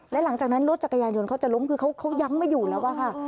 และหลังจากนั้นรถจักรยานยนต์เขาจะล้มคือเขายั้งไม่อยู่แล้วอะค่ะ